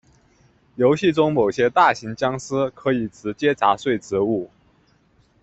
游戏中某些大型僵尸可以直接砸碎植物。